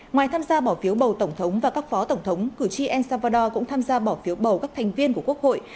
ngoài tham gia bỏ phiếu bầu tổng thống và các phó tổng thống cử tri el salvador cũng tham gia bỏ phiếu bầu các thành viên của quốc hội